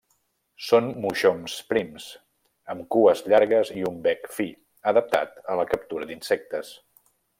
Són moixons prims, amb cues llargues i un bec fi, adaptat a la captura d'insectes.